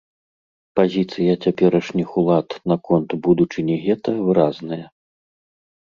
Пазіцыя цяперашніх улад наконт будучыні гета выразная.